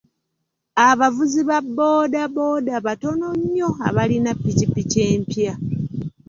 Abavuzi ba booda booda batono nnyo abalina ppikipiki empya.